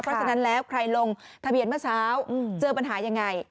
เพราะฉะนั้นแล้วใครลงทะเบียนเมื่อเช้าเจอปัญหายังไง